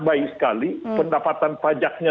baik sekali pendapatan pajaknya